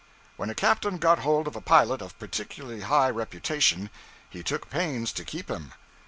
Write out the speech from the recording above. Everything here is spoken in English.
When a captain got hold of a pilot of particularly high reputation, he took pains to keep him.